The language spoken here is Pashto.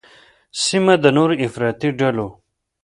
سیمه د نوو افراطي ډلو